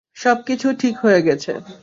সবকিছু ঠিক হয়ে গেছে।